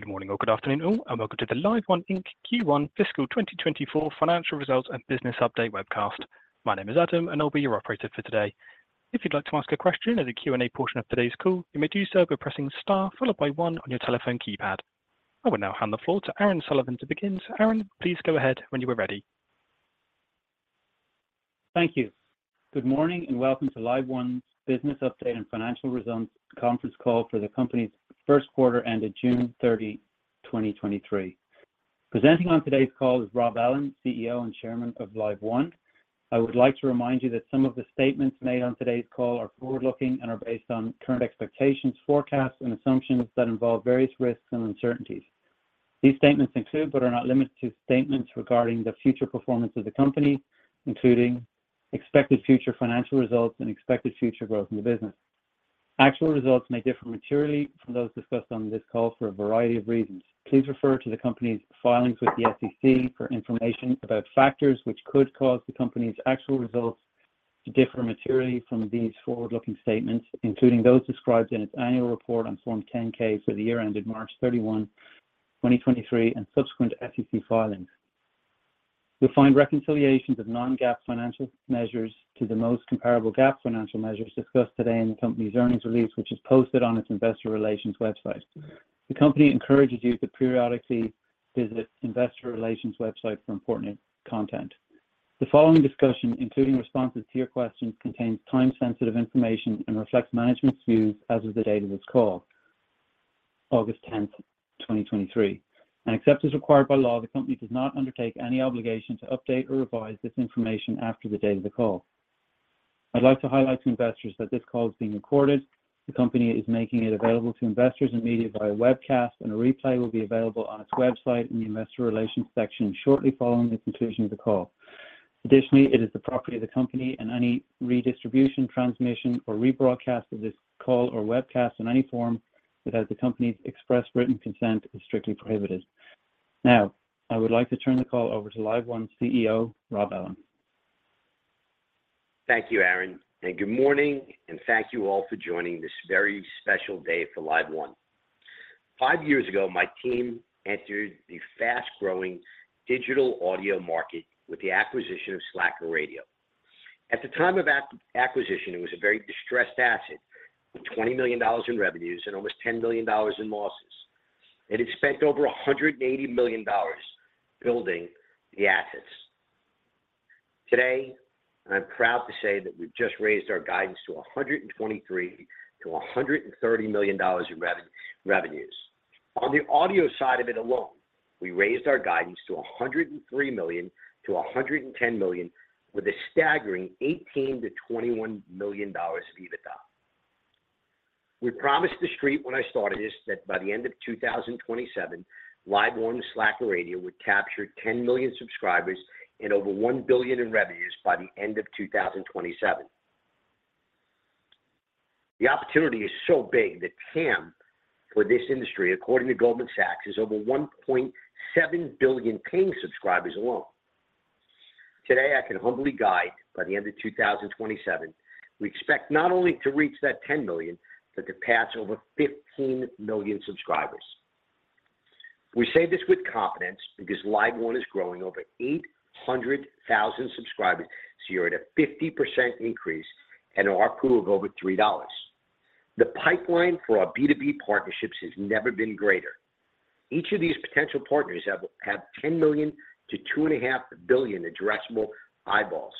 Good morning or good afternoon all, welcome to the LiveOne Inc. Q1 Fiscal 2024 Financial Results and Business Update webcast. My name is Adam, and I'll be your operator for today. If you'd like to ask a question in the Q&A portion of today's call, you may do so by pressing star followed by one on your telephone keypad. I will now hand the floor to Aaron Sullivan to begin. Aaron, please go ahead when you are ready. Thank you. Good morning, and welcome to LiveOne's Business Update and Financial Results conference call for the company's first quarter ended June 30, 2023. Presenting on today's call is Rob Ellin, CEO and Chairman of LiveOne. I would like to remind you that some of the statements made on today's call are forward-looking and are based on current expectations, forecasts, and assumptions that involve various risks and uncertainties. These statements include, but are not limited to, statements regarding the future performance of the company, including expected future financial results and expected future growth in the business. Actual results may differ materially from those discussed on this call for a variety of reasons. Please refer to the company's filings with the SEC for information about factors which could cause the company's actual results to differ materially from these forward-looking statements, including those described in its annual report on Form 10-K for the year ended March 31, 2023, and subsequent SEC filings. You'll find reconciliations of non-GAAP financial measures to the most comparable GAAP financial measures discussed today in the company's earnings release, which is posted on its Investor Relations website. The company encourages you to periodically visit Investor Relations website for important content. The following discussion, including responses to your questions, contains time-sensitive information and reflects management's views as of the date of this call, August 10, 2023. Except as required by law, the company does not undertake any obligation to update or revise this information after the date of the call. I'd like to highlight to investors that this call is being recorded. The company is making it available to investors and media via webcast, and a replay will be available on its website in the Investor Relations section shortly following the conclusion of the call. Additionally, it is the property of the company. Any redistribution, transmission, or rebroadcast of this call or webcast in any form without the company's express written consent is strictly prohibited. Now, I would like to turn the call over to LiveOne CEO, Rob Ellin. Thank you, Aaron, and good morning, and thank you all for joining this very special day for LiveOne. Five years ago, my team entered the fast-growing digital audio market with the acquisition of Slacker Radio. At the time of acquisition, it was a very distressed asset, with $20 million in revenues and almost $10 million in losses. It had spent over $180 million building the assets. Today, I'm proud to say that we've just raised our guidance to $123 million-$130 million in revenues. On the audio side of it alone, we raised our guidance to $103 million-$110 million, with a staggering $18 million-$21 million EBITDA. We promised the street when I started this, that by the end of 2027, LiveOne and Slacker Radio would capture 10 million subscribers and over $1 billion in revenues by the end of 2027. The opportunity is so big that TAM for this industry, according to Goldman Sachs, is over 1.7 billion paying subscribers alone. Today, I can humbly guide by the end of 2027, we expect not only to reach that 10 million, but to pass over 15 million subscribers. We say this with confidence because LiveOne is growing over 800,000 subscribers a year at a 50% increase and an ARPU of over $3. The pipeline for our B2B partnerships has never been greater. Each of these potential partners have 10 million-2.5 billion addressable eyeballs.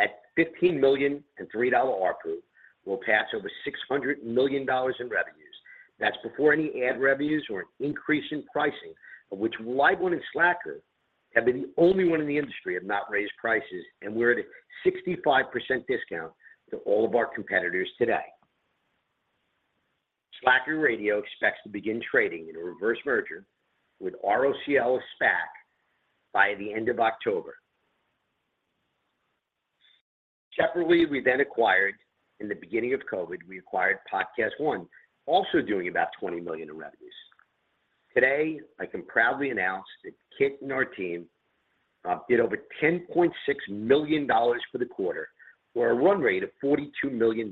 At 15 million and $3 ARPU, we'll pass over $600 million in revenues. That's before any ad revenues or an increase in pricing, of which LiveOne and Slacker have been the only one in the industry to not raise prices, and we're at a 65% discount to all of our competitors today. Slacker Radio expects to begin trading in a reverse merger with ROCL SPAC by the end of October. Separately, we then acquired. In the beginning of COVID, we acquired PodcastOne, also doing about $20 million in revenues. Today, I can proudly announce that Kit and our team did over $10.6 million for the quarter, or a run rate of $42 million.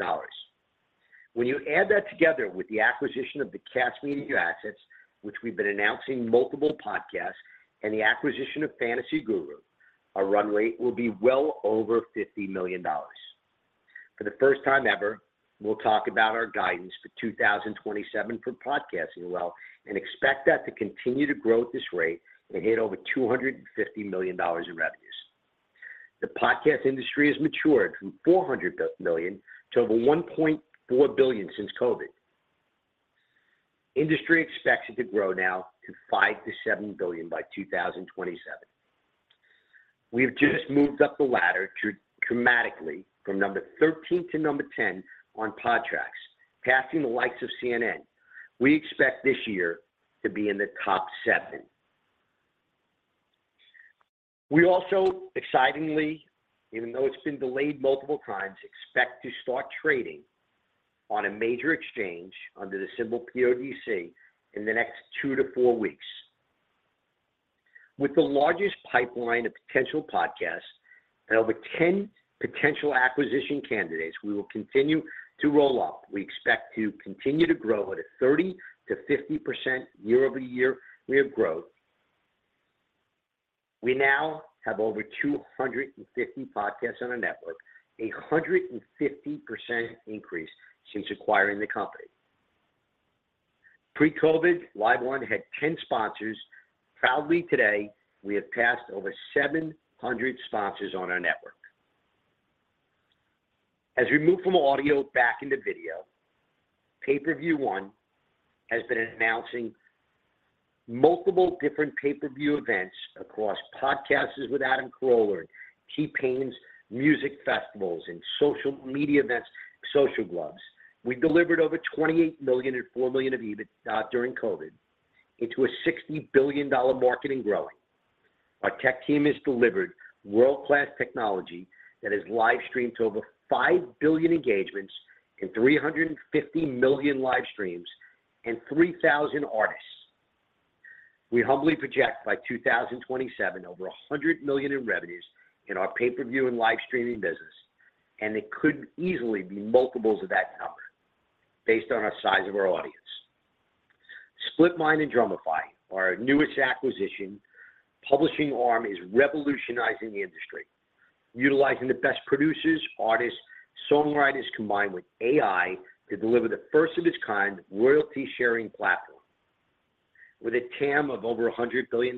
When you add that together with the acquisition of the Kast Media assets, which we've been announcing multiple podcasts, and the acquisition of Fantasy Guru, our run rate will be well over $50 million. For the first time ever, we'll talk about our guidance for 2027 for podcasting well and expect that to continue to grow at this rate and hit over $250 million in revenues. The podcast industry has matured from $400 million to over $1.4 billion since COVID. Industry expects it to grow now to $5 billion-$7 billion by 2027. We've just moved up the ladder dramatically from number 13 to number 10 on Podtrac, passing the likes of CNN. We expect this year to be in the Top 7. We also, excitingly, even though it's been delayed multiple times, expect to start trading on a major exchange under the symbol PODC, in the next two to four weeks. With the largest pipeline of potential podcasts and over 10 potential acquisition candidates, we will continue to roll up. We expect to continue to grow at a 30%-50% year-over-year rate of growth. We now have over 250 podcasts on our network, a 150% increase since acquiring the company. Pre-COVID, LiveOne had 10 sponsors. Proudly, today, we have passed over 700 sponsors on our network. As we move from audio back into video, PPVOne has been announcing multiple different pay-per-view events across podcasters with Adam Carolla, T-Pain's music festivals and social media events, Social Gloves. We delivered over $28 million and $4 million of EBITDA during COVID into a $60 billion market and growing. Our tech team has delivered world-class technology that has live streamed to over 5 billion engagements and 350 million live streams and 3,000 artists. We humbly project by 2027, over $100 million in revenues in our pay-per-view and live streaming business, and it could easily be multiples of that number based on our size of our audience. Splitmind and Drumify, our newest acquisition publishing arm, is revolutionizing the industry, utilizing the best producers, artists, songwriters, combined with AI to deliver the first of its kind royalty sharing platform. With a TAM of over $100 billion,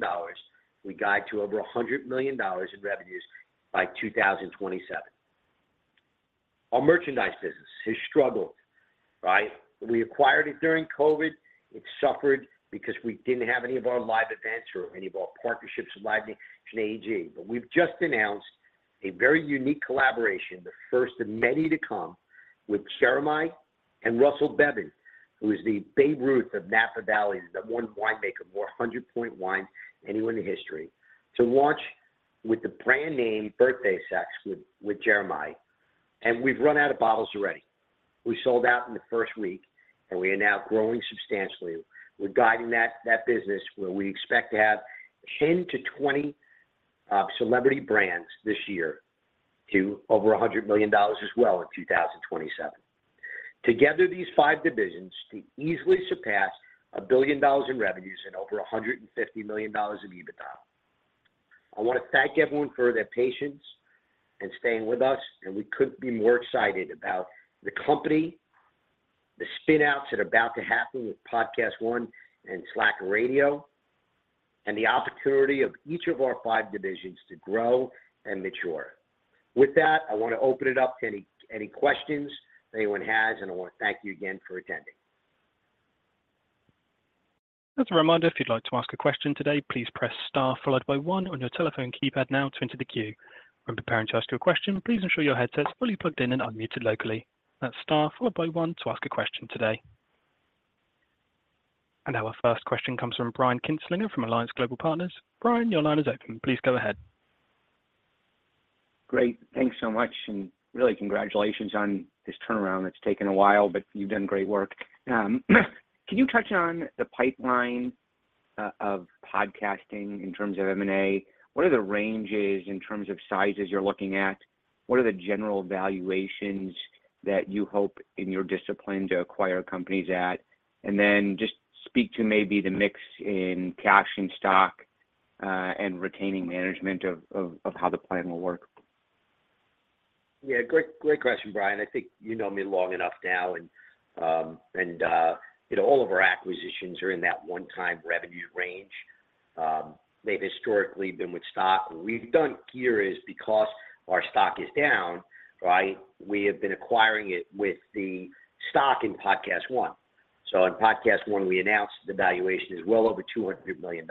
we guide to over $100 million in revenues by 2027. Our merchandise business has struggled, right? We acquired it during COVID. It suffered because we didn't have any of our live events or any of our partnerships with Live Nation and AEG. We've just announced a very unique collaboration, the first of many to come, with Jeremih and Russell Bevan, who is the Babe Ruth of Napa Valley, the one winemaker, more 100 point wine anywhere in the history, to launch with the brand name Birthday Sex with, with Jeremih, and we've run out of bottles already. We sold out in the first week, and we are now growing substantially. We're guiding that, that business, where we expect to have 10-20 celebrity brands this year to over $100 million as well in 2027. Together, these five divisions could easily surpass $1 billion in revenues and over $150 million in EBITDA. I want to thank everyone for their patience and staying with us. We couldn't be more excited about the company, the spin outs that are about to happen with PodcastOne and Slacker Radio, and the opportunity of each of our five divisions to grow and mature. With that, I want to open it up to any questions anyone has, and I want to thank you again for attending. As a reminder, if you'd like to ask a question today, please press star followed by one on your telephone keypad now to enter the queue. When preparing to ask your question, please ensure your headset is fully plugged in and unmuted locally. That's star followed by one to ask a question today. Our first question comes from Brian Kinstlinger from Alliance Global Partners. Brian, your line is open. Please go ahead. Great. Thanks so much, and really congratulations on this turnaround. It's taken a while, but you've done great work. Can you touch on the pipeline of podcasting in terms of M&A? What are the ranges in terms of sizes you're looking at? What are the general valuations that you hope in your discipline to acquire companies at? Then just speak to maybe the mix in cash and stock and retaining management of, of, of how the plan will work. Yeah, great, great question, Brian. I think you know me long enough now, and, you know, all of our acquisitions are in that one-time revenue range. They've historically been with stock. What we've done here is because our stock is down, right, we have been acquiring it with the stock in PodcastOne. In PodcastOne, we announced the valuation is well over $200 million,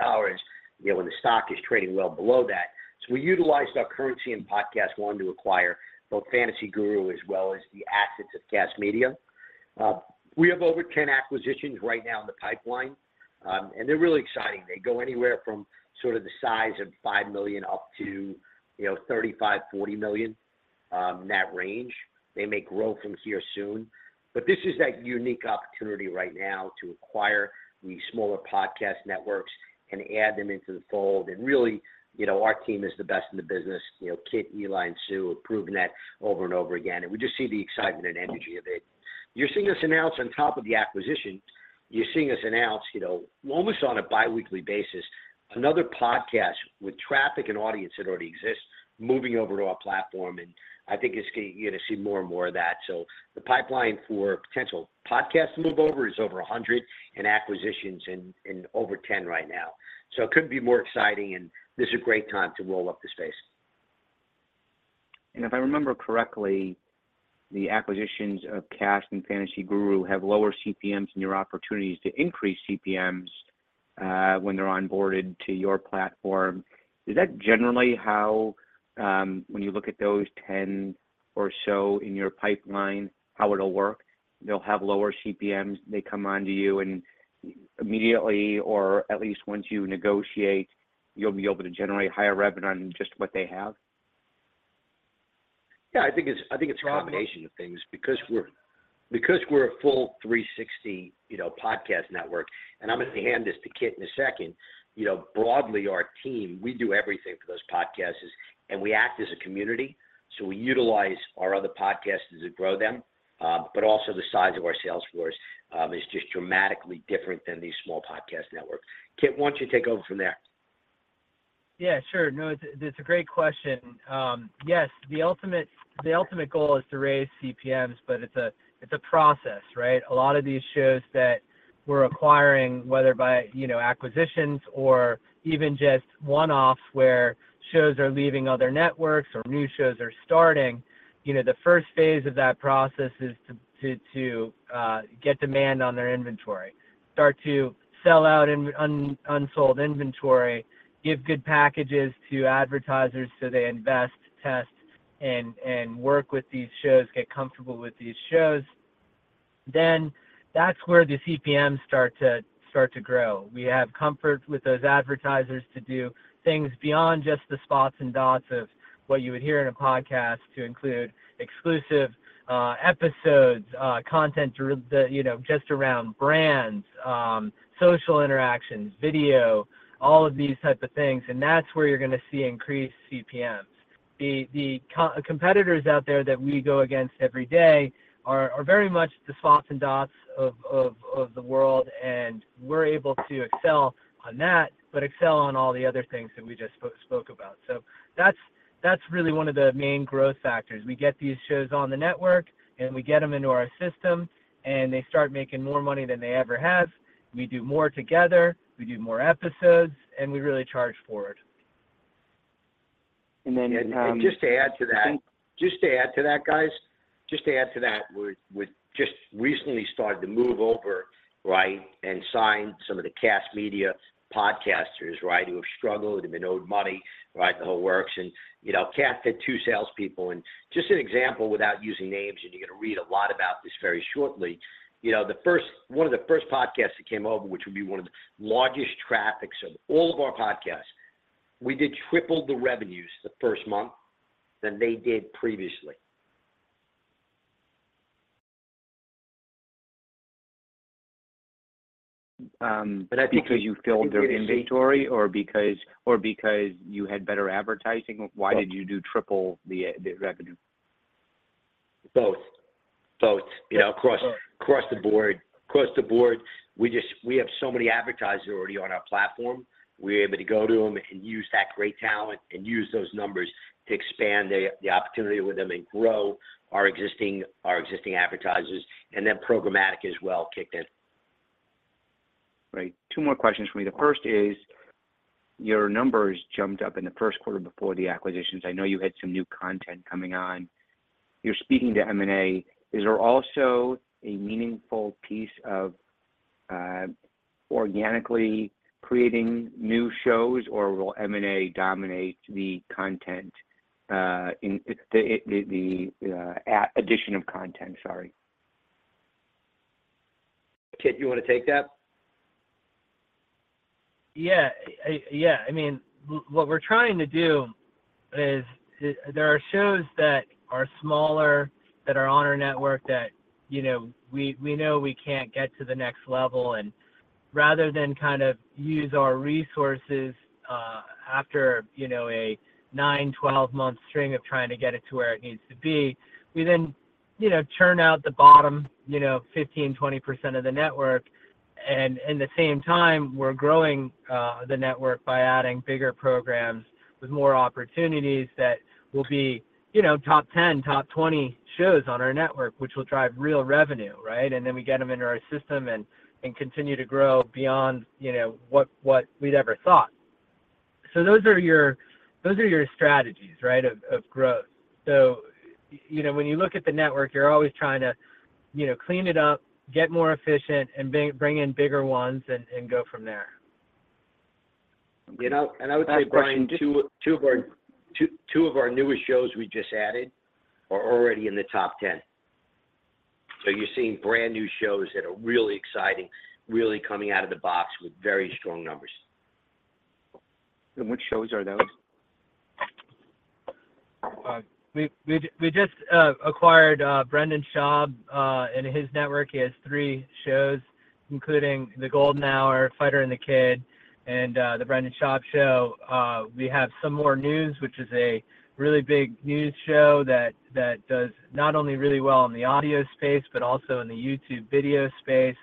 you know, when the stock is trading well below that. We utilized our currency in PodcastOne to acquire both Fantasy Guru as well as the assets of Kast Media. We have over 10 acquisitions right now in the pipeline, and they're really exciting. They go anywhere from sort of the size of $5 million up to, you know, $35 million-$40 million net range. They may grow from here soon, this is that unique opportunity right now to acquire the smaller podcast networks and add them into the fold. Really, you know, our team is the best in the business. You know, Kit, Eli, and Sue have proven that over and over again, we just see the excitement and energy of it. You're seeing us announce on top of the acquisition, you're seeing us announce, you know, almost on a biweekly basis, another podcast with traffic and audience that already exists, moving over to our platform. You're going to see more and more of that. The pipeline for potential podcasts to move over is over 100, acquisitions in, in over 10 right now. It couldn't be more exciting, this is a great time to roll up the space. If I remember correctly, the acquisitions of Kast and Fantasy Guru have lower CPMs and your opportunities to increase CPMs, when they're onboarded to your platform. Is that generally how, when you look at those 10 or so in your pipeline, how it'll work? They'll have lower CPMs, they come onto you, and immediately, or at least once you negotiate, you'll be able to generate higher revenue on just what they have? Yeah, I think it's, I think it's a combination of things, because we're, because we're a full 360, you know, podcast network. I'm gonna hand this to Kit in a second. You know, broadly, our team, we do everything for those podcasts, and we act as a community, so we utilize our other podcasts to grow them, also the size of our sales force, is just dramatically different than these small podcast networks. Kit, why don't you take over from there? Yeah, sure. No, it's, it's a great question. Yes, the ultimate, the ultimate goal is to raise CPMs. It's a, it's a process, right? A lot of these shows that we're acquiring, whether by, you know, acquisitions or even just one-offs, where shows are leaving other networks or new shows are starting, you know, the first phase of that process is to, to, to get demand on their inventory. Start to sell out in unsold inventory, give good packages to advertisers so they invest, test, and, and work with these shows, get comfortable with these shows. That's where the CPMs start to, start to grow. We have comfort with those advertisers to do things beyond just the spots and dots of what you would hear in a podcast, to include exclusive episodes, content that, you know, just around brands, social interactions, video, all of these type of things, and that's where you're gonna see increased CPMs. The competitors out there that we go against every day are very much the spots and dots of the world, and we're able to excel on that, but excel on all the other things that we just spoke about. That's, that's really one of the main growth factors. We get these shows on the network, and we get them into our system, and they start making more money than they ever have. We do more together, we do more episodes, and we really charge for it. Then. Just to add to that. I think- Just to add to that, guys, just to add to that, we, we just recently started to move over, right, and sign some of the Kast Media podcasters, right? Who have struggled and been owed money, right, the whole works, and, you know, Kast had two salespeople. Just an example, without using names. You're gonna read a lot about this very shortly. You know, one of the first podcasts that came over, which would be one of the largest traffics of all of our podcasts, we did triple the revenues the first month than they did previously. That's because you filled their inventory or because, or because you had better advertising? Why did you do triple the revenue? Both. Both, you know, across, across the board. Across the board, we just, we have so many advertisers already on our platform. We're able to go to them and use that great talent and use those numbers to expand the, the opportunity with them and grow our existing, our existing advertisers, and then programmatic as well kicked in. Right. Two more questions for you. The first is, your numbers jumped up in the first quarter before the acquisitions. I know you had some new content coming on. You're speaking to M&A. Is there also a meaningful piece of, organically creating new shows, or will M&A dominate the content, in the, the, the, addition of content? Sorry. Kit, you wanna take that? Yeah. Yeah, I mean, what we're trying to do is, there are shows that are smaller that are on our network that, you know, we, we know we can't get to the next level, and rather than kind of use our resources, after, you know, a nine, 12-month string of trying to get it to where it needs to be, we then, you know, churn out the bottom, you know, 15%, 20% of the network. In the same time, we're growing the network by adding bigger programs with more opportunities that will be, you know, top 10, top 20 shows on our network, which will drive real revenue, right? Then we get them into our system and, and continue to grow beyond, you know, what, what we'd ever thought. Those are your, those are your strategies, right, of, of growth. You know, when you look at the network, you're always trying to, you know, clean it up, get more efficient, and bring, bring in bigger ones and, and go from there. You know, I would say, Brian, two of our newest shows we just added are already in the Top 10. You're seeing brand-new shows that are really exciting, really coming out of the box with very strong numbers. Which shows are those? We, we just acquired Brendan Schaub and his network. He has three shows, including The Golden Hour, Fighter and the Kid, and The Brendan Schaub Show. We have Some More News, which is a really big news show that, that does not only really well in the audio space, but also in the YouTube video space.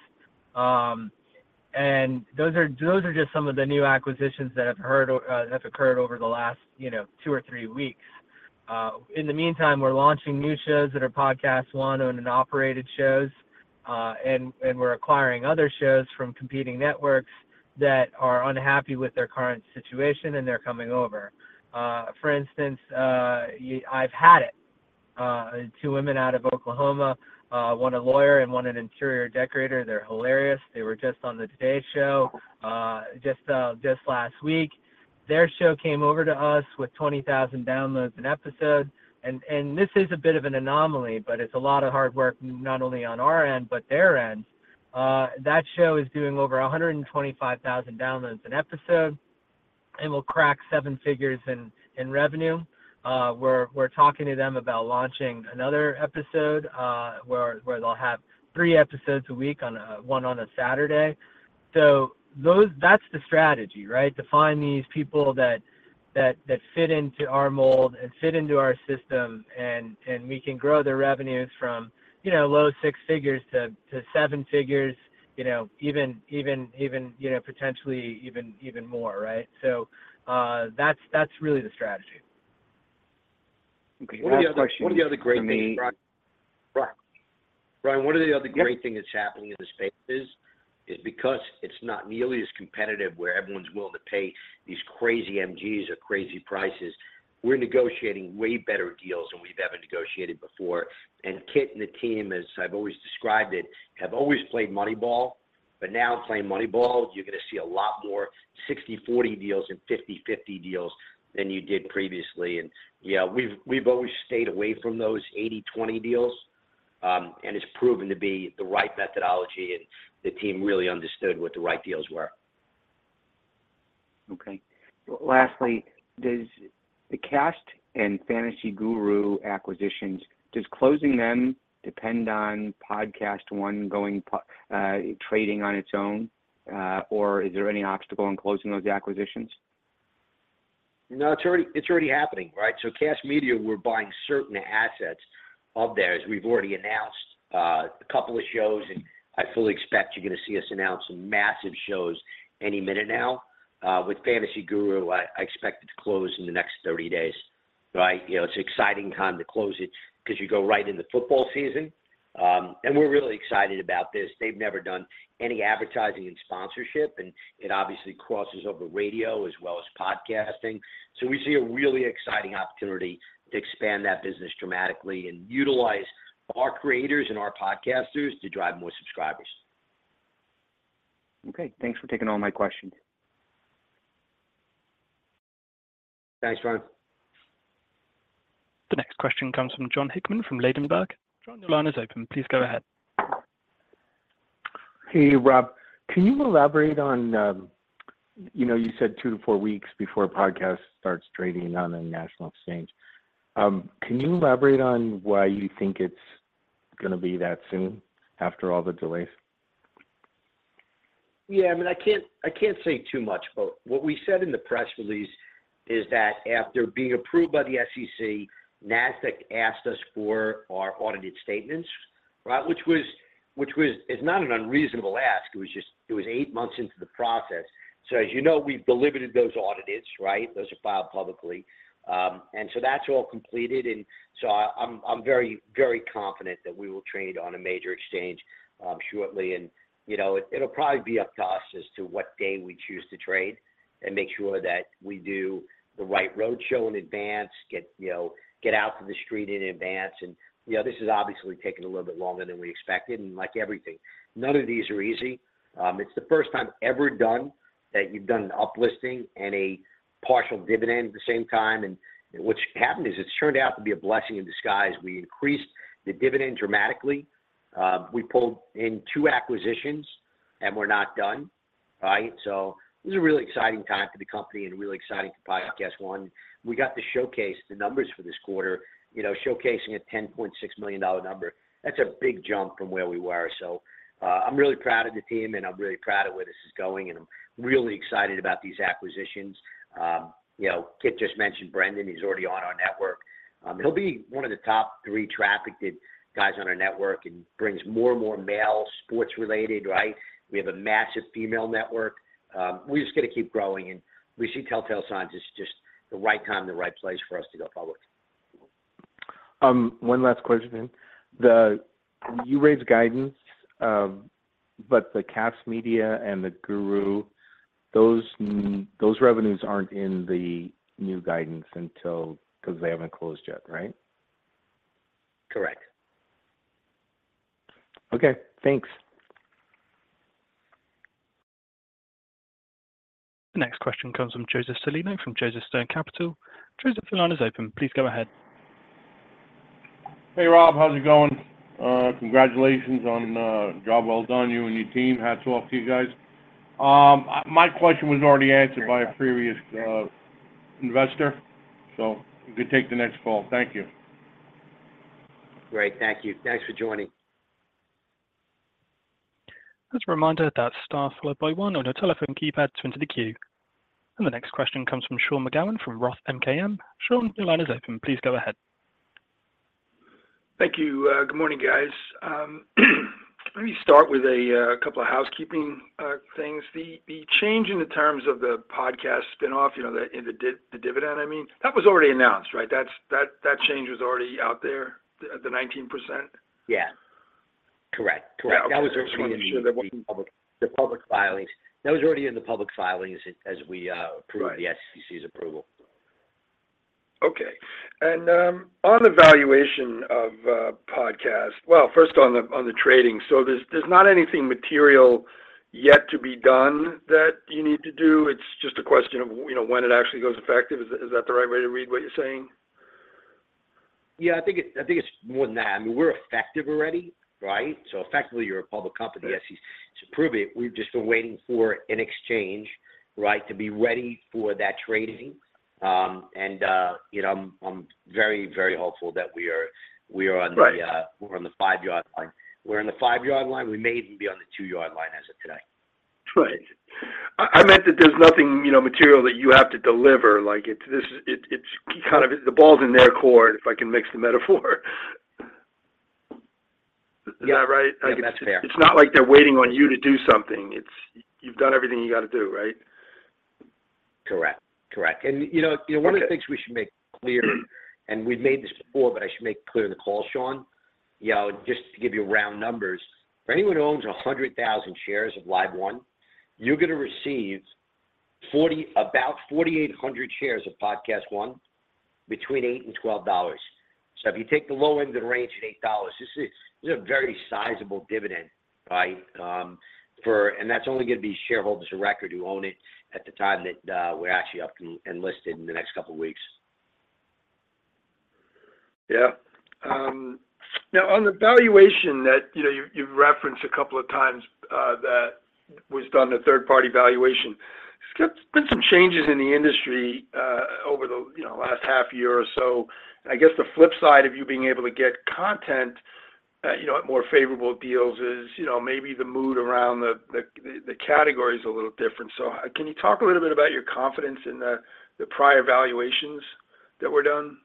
And those are, those are just some of the new acquisitions that have heard that have occurred over the last, you know, two or three weeks. In the meantime, we're launching new shows that are PodcastOne owned and operated shows, and, and we're acquiring other shows from competing networks that are unhappy with their current situation, and they're coming over. For instance, I've Had It, two women out of Oklahoma, one a lawyer and one an interior decorator. They're hilarious. They were just on the Today Show, just last week. Their show came over to us with 20,000 downloads an episode. This is a bit of an anomaly, but it's a lot of hard work, not only on our end but their end. That show is doing over 125,000 downloads an episode. We'll crack seven figures in revenue. We're talking to them about launching another episode, where they'll have three episodes a week on a, one on a Saturday. That's the strategy, right? To find these people that, that, that fit into our mold and fit into our system, and, and we can grow their revenues from, you know, low six figures to, to seven figures, you know, even, even, even, you know, potentially even, even more, right? That's, that's really the strategy. Okay, one other question. One of the other great things, Brian... one of the other great- Yep. Thing that's happening in this space is, is because it's not nearly as competitive, where everyone's willing to pay these crazy MGs or crazy prices, we're negotiating way better deals than we've ever negotiated before. Kit and the team, as I've always described it, have always played Moneyball, but now playing Moneyball, you're gonna see a lot more 60/40 deals and 50/50 deals than you did previously. Yeah, we've, we've always stayed away from those 80/20 deals, and it's proven to be the right methodology, and the team really understood what the right deals were. Okay. Lastly, does the Kast and Fantasy Guru acquisitions, does closing them depend on PodcastOne going trading on its own, or is there any obstacle in closing those acquisitions? No, it's already, it's already happening, right? Kast Media, we're buying certain assets of theirs. We've already announced, a couple of shows, and I fully expect you're gonna see us announce some massive shows any minute now. With Fantasy Guru, I, I expect it to close in the next 30 days, right? You know, it's an exciting time to close it 'cause you go right into football season. We're really excited about this. They've never done any advertising and sponsorship, and it obviously crosses over radio as well as podcasting. We see a really exciting opportunity to expand that business dramatically and utilize our creators and our podcasters to drive more subscribers. Okay, thanks for taking all my questions. Thanks, Brian. The next question comes from Jon Hickman from Ladenburg. Jon, your line is open. Please go ahead. Hey, Rob, can you elaborate on, you know, you said two to four weeks before a Podcast starts trading on a national exchange. Can you elaborate on why you think it's gonna be that soon after all the delays? Yeah, I mean, I can't, I can't say too much, but what we said in the press release is that after being approved by the SEC, Nasdaq asked us for our audited statements, right? Which was, which was. It's not an unreasonable ask, it was just, it was eight months into the process. As you know, we've delivered those audits, right? Those are filed publicly. So that's all completed, and so I, I'm, I'm very, very confident that we will trade on a major exchange shortly. You know, it, it'll probably be up to us as to what day we choose to trade and make sure that we do the right roadshow in advance, get, you know, get out to the street in advance. You know, this has obviously taken a little bit longer than we expected, and like everything, none of these are easy. It's the first time ever done that you've done an uplisting and a partial dividend at the same time. What's happened is, it's turned out to be a blessing in disguise. We increased the dividend dramatically, we pulled in two acquisitions, and we're not done, right? This is a really exciting time for the company and a really exciting time for PodcastOne. We got to showcase the numbers for this quarter, you know, showcasing a $10.6 million number. That's a big jump from where we were. I'm really proud of the team, and I'm really proud of where this is going, and I'm really excited about these acquisitions. You know, Kit just mentioned Brendan, he's already on our network. He'll be one of the top three trafficked guys on our network and brings more and more male sports-related, right? We have a massive female network. We're just gonna keep growing, and we see telltale signs it's just the right time, the right place for us to go public. One last question. You raised guidance, but the Kast Media and the Guru, those revenues aren't in the new guidance until... Because they haven't closed yet, right? Correct. Okay, thanks. The next question comes from Joseph Salino from Joseph Stone Capital. Joseph, the line is open. Please go ahead. Hey, Rob, how's it going? Congratulations on a job well done, you and your team. Hats off to you guys. My question was already answered by a previous investor, so you could take the next call. Thank you. Great, thank you. Thanks for joining. Just a reminder that star followed by one on your telephone keypad to enter the queue. The next question comes from Sean McGowan from ROTH MKM. Sean, the line is open. Please go ahead. Thank you. Good morning, guys. Let me start with a couple of housekeeping things. The change in the terms of the Podcast spin-off, you know, the dividend, I mean, that was already announced, right? That's that change was already out there, the 19%? Yeah. Correct, correct. Yeah, okay. That was already in the public, the public filings. That was already in the public filings as, as we- Right.... Approved the SEC's approval. Okay. On the valuation of, podcast... Well, first on the, on the trading. There's, there's not anything material yet to be done that you need to do, it's just a question of, you know, when it actually goes effective. Is, is that the right way to read what you're saying? Yeah, I think it, I think it's more than that. I mean, we're effective already, right? Effectively, you're a public company. Yes, to, to prove it, we've just been waiting for an exchange, right, to be ready for that trading. You know, I'm, I'm very, very hopeful that we are, we are on the. Right... We're on the five-yard line. We're in the five-yard line. We may even be on the two-yard line as of today. Right. I, I meant that there's nothing, you know, material that you have to deliver. Like, it's this, it, it's kind of, the ball's in their court, if I can mix the metaphor. Yeah. Is that right? Yeah, that's fair. It's not like they're waiting on you to do something. It's, you've done everything you gotta do, right? Correct. Correct. you know, you know- Okay.... one of the things we should make clear, and we've made this before, but I should make clear on the call, Sean, you know, just to give you round numbers, for anyone who owns 100,000 shares of LiveOne, you're going to receive about 4,800 shares of PodcastOne between $8 and $12. If you take the low end of the range at $8, this is, this is a very sizable dividend, right? That's only going to be shareholders of record who own it at the time that we're actually up and, and listed in the next couple of weeks. Yeah. Now, on the valuation that, you know, you, you've referenced a couple of times, that was done, the third-party valuation, there's been some changes in the industry, over the, you know, last half year or so. I guess the flip side of you being able to get content, you know, at more favorable deals is, you know, maybe the mood around the, the, the category is a little different. Can you talk a little bit about your confidence in the, the prior valuations that were done?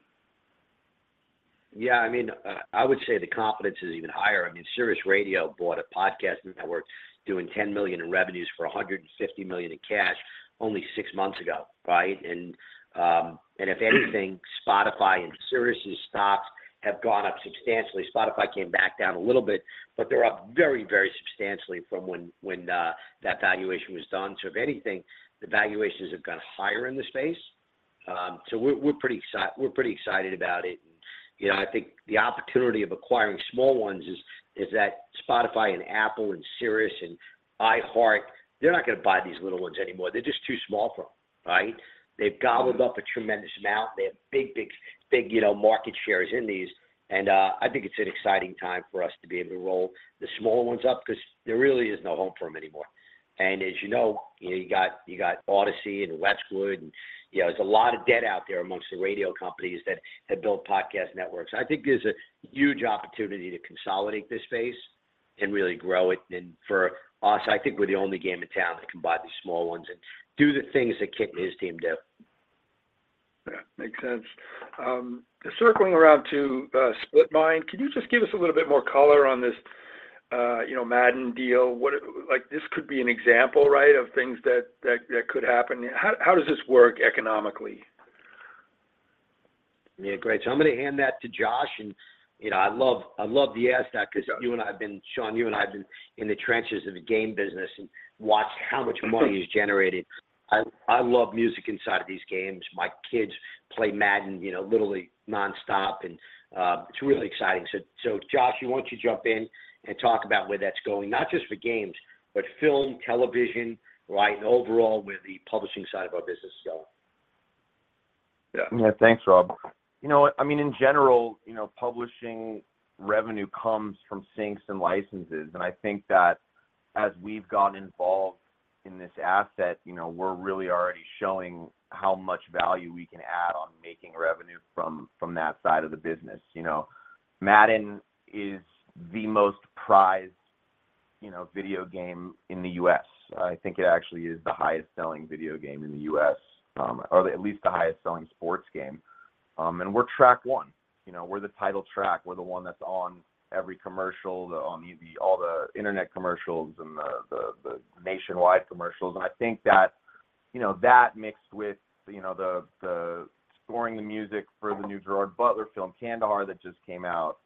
Yeah, I mean, I would say the confidence is even higher. I mean, SiriusXM bought a podcasting network doing $10 million in revenues for $150 million in cash only six months ago, right? If anything, Spotify and SiriusXM's stocks have gone up substantially. Spotify came back down a little bit, but they're up very, very substantially from when, when that valuation was done. If anything, the valuations have gone higher in the space. We're, we're pretty excited, we're pretty excited about it, and, you know, I think the opportunity of acquiring small ones is, is that Spotify and Apple and SiriusXM and iHeartMedia, they're not going to buy these little ones anymore. They're just too small for them, right? They've gobbled up a tremendous amount. They have big, big, big, you know, market shares in these, and I think it's an exciting time for us to be able to roll the small ones up because there really is no home for them anymore. As you know, you know, you got, you got Audacy and Westwood, and, you know, there's a lot of debt out there amongst the radio companies that have built podcast networks. I think there's a huge opportunity to consolidate this space and really grow it. For us, I think we're the only game in town that can buy the small ones and do the things that Kit and his team do. Yeah, makes sense. circling around to Splitmind, can you just give us a little bit more color on this, you know, Madden deal? like, this could be an example, right, of things that, that, that could happen. How, how does this work economically? Yeah, great. I'm going to hand that to Josh, and, you know, I love, I love the ask that because you and I have been, Sean, you and I have been in the trenches of the game business and watched how much money is generated. I, I love music inside of these games. My kids play Madden, you know, literally nonstop, and it's really exciting. Josh, why don't you jump in and talk about where that's going, not just for games, but film, television, right, and overall, where the publishing side of our business is going. Yeah. Yeah. Thanks, Rob. You know what? I mean, in general, you know, publishing revenue comes from syncs and licenses, and I think that as we've gotten involved in this asset, you know, we're really already showing how much value we can add on making revenue from, from that side of the business. You know, Madden is the most prized, you know, video game in the U.S. I think it actually is the highest-selling video game in the U.S. or at least the highest-selling sports game. And we're track one, you know, we're the title track. We're the one that's on every commercial, on the, the, all the internet commercials and the, the, the nationwide commercials. I think that, you know, that mixed with, you know, the, the scoring the music for the new Gerard Butler film, Kandahar, that just came out,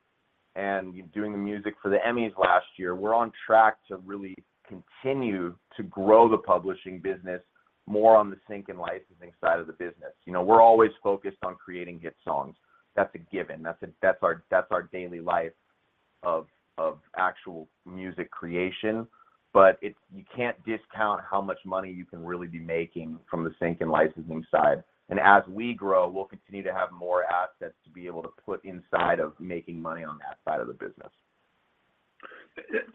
and doing the music for the Emmys last year, we're on track to really continue to grow the publishing business more on the sync and licensing side of the business. You know, we're always focused on creating hit songs. That's a given. That's, that's our, that's our daily life of, of actual music creation, but it... You can't discount how much money you can really be making from the sync and licensing side. As we grow, we'll continue to have more assets to be able to put inside of making money on that side of the business.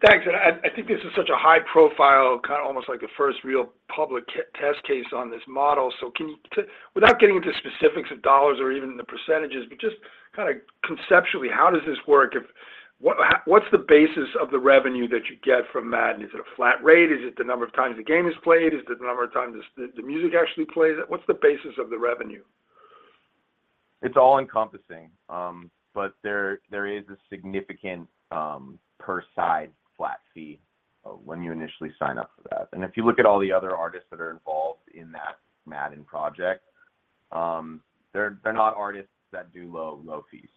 Thanks. I, I think this is such a high profile, kind of almost like a first real public test case on this model. Can you without getting into specifics of dollars or even the percentages, but just kinda conceptually, how does this work? If, what, what's the basis of the revenue that you get from Madden? Is it a flat rate? Is it the number of times the game is played? Is it the number of times the, the music actually plays? What's the basis of the revenue? It's all-encompassing, but there, there is a significant, per side flat fee, when you initially sign up for that. If you look at all the other artists that are involved in that Madden project, they're, they're not artists that do low, low fees.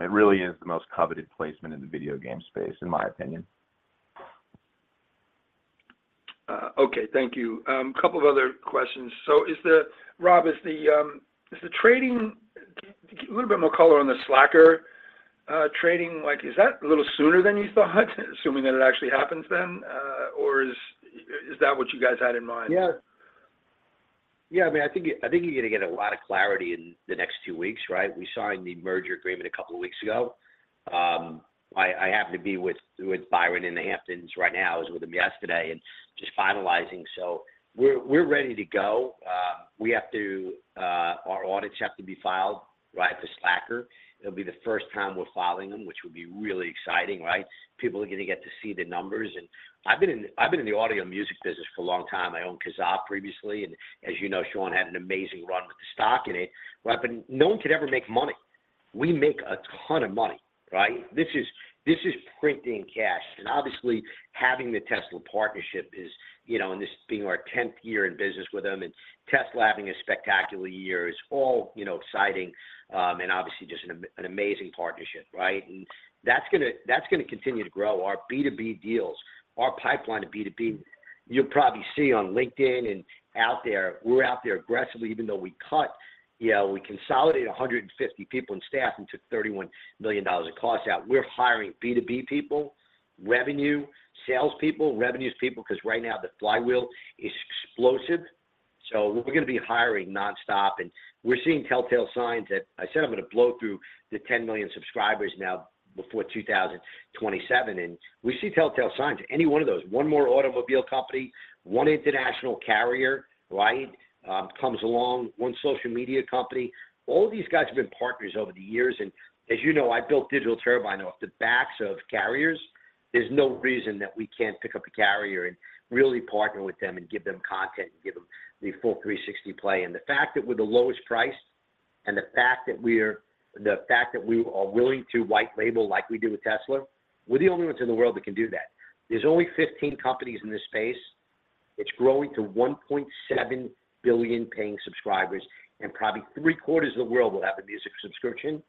It really is the most coveted placement in the video game space, in my opinion. Okay. Thank you. Couple of other questions. Rob, is the trading, little bit more color on the Slacker trading, like, is that a little sooner than you thought? Assuming that it actually happens then, or is, is that what you guys had in mind? Yeah. Yeah, I mean, I think, I think you're gonna get a lot of clarity in the next two weeks, right? We signed the merger agreement a couple of weeks ago. I, I happen to be with, with Byron in the Hamptons right now. I was with him yesterday and just finalizing, so we're, we're ready to go. We have to, our audits have to be filed, right, for Slacker. It'll be the first time we're filing them, which will be really exciting, right? People are gonna get to see the numbers. I've been in, I've been in the audio music business for a long time. I owned Kazaa previously. As you know, Sean had an amazing run with the stock in it, but no one could ever make money. We make a ton of money, right? This is, this is printing cash, and obviously, having the Tesla partnership is, you know, and this being our 10th year in business with them, and Tesla having a spectacular year is all, you know, exciting, obviously just an amazing partnership, right? That's gonna, that's gonna continue to grow. Our B2B deals, our pipeline to B2B, you'll probably see on LinkedIn and out there, we're out there aggressively, even though we cut... You know, we consolidated 150 people in staff and took $31 million in costs out. We're hiring B2B people, revenue, salespeople, revenues people, because right now the flywheel is explosive, so we're gonna be hiring nonstop, and we're seeing telltale signs that I said I'm gonna blow through the 10 million subscribers now before 2027, and we see telltale signs. Any one of those, one more automobile company, one international carrier, right, comes along, one social media company. All these guys have been partners over the years, and as you know, I built Digital Turbine off the backs of carriers. There's no reason that we can't pick up a carrier and really partner with them and give them content and give them the full 360 play. The fact that we're the lowest price, and the fact that we're the fact that we are willing to white label like we do with Tesla, we're the only ones in the world that can do that. There's only 15 companies in this space. It's growing to 1.7 billion paying subscribers, and probably three-quarters of the world will have a music subscription.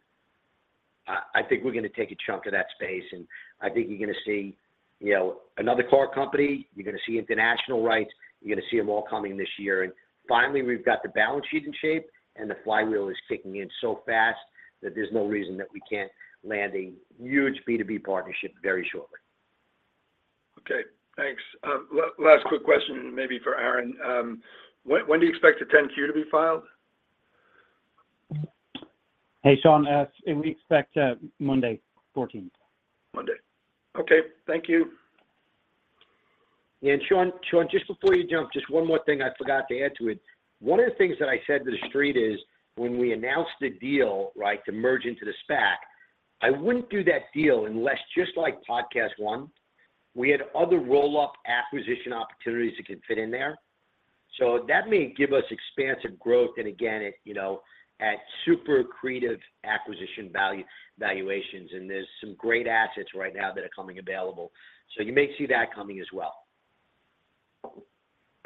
I, I think we're gonna take a chunk of that space, and I think you're gonna see, you know, another car company, you're gonna see international, right? You're gonna see them all coming this year. Finally, we've got the balance sheet in shape, and the flywheel is kicking in so fast that there's no reason that we can't land a huge B2B partnership very shortly. Okay, thanks. Last quick question, maybe for Aaron. When, when do you expect the 10-Q to be filed? Hey, Sean, we expect, Monday, 14th. Monday. Okay, thank you. Sean, Sean, just before you jump, just one more thing I forgot to add to it. One of the things that I said to the street is, when we announced the deal, right, to merge into the SPAC, I wouldn't do that deal unless, just like PodcastOne, we had other roll-up acquisition opportunities that could fit in there. That may give us expansive growth, and again, it, you know, at super accretive acquisition value- valuations, and there's some great assets right now that are coming available. You may see that coming as well.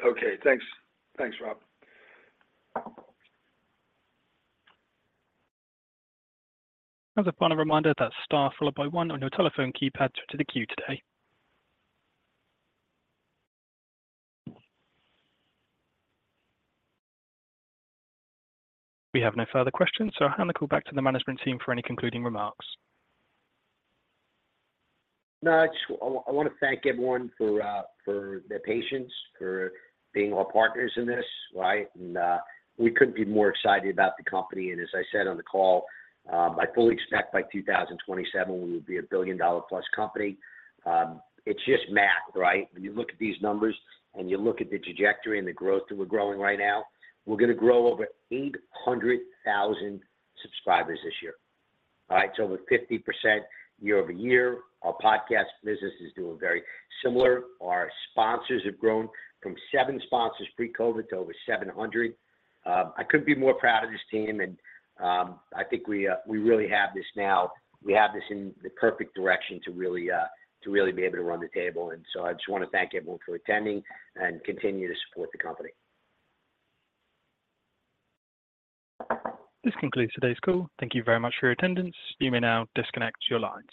Okay, thanks. Thanks, Rob. Just a final reminder, that star followed by one on your telephone keypad to the queue today. We have no further questions, so I'll hand it back to the management team for any concluding remarks. No, I just I wanna thank everyone for their patience, for being our partners in this, right? We couldn't be more excited about the company, and as I said on the call, I fully expect by 2027, we will be a billion-dollar-plus company. It's just math, right? When you look at these numbers, and you look at the trajectory and the growth that we're growing right now, we're gonna grow over 800,000 subscribers this year. All right, so over 50% year-over-year. Our podcast business is doing very similar. Our sponsors have grown from seven sponsors pre-COVID to over 700. I couldn't be more proud of this team, and I think we really have this now. We have this in the perfect direction to really, to really be able to run the table. I just wanna thank everyone for attending and continue to support the company. This concludes today's call. Thank you very much for your attendance. You may now disconnect your lines.